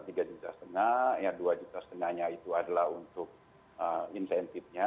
jadi ada sekitar tiga juta setengah dua juta setengahnya itu adalah untuk insentifnya